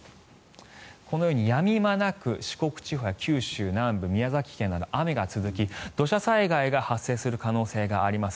このようにやみまなく四国地方や九州南部宮崎県など雨が続き、土砂災害が発生する可能性があります。